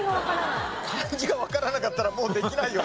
漢字がわからなかったらもうできないよ